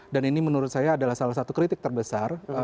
dan ini menurut saya adalah salah satu kritik terbesar